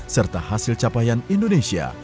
serta hasil capaian indonesia